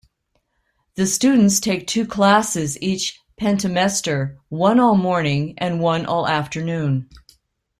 The students take two classes each pentamester, one all morning and one all afternoon.